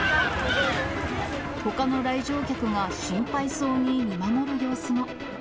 ほかの来場客が心配そうに見守る様子も。